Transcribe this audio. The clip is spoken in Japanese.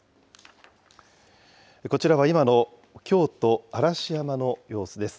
こちらは今の京都・嵐山の様子です。